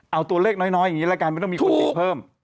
เอาตัวเลขน้อยอย่างนี้ละกันไม่ต้องมีคนติดเพิ่ม